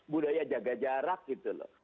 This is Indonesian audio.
budaya jaga jarak gitu loh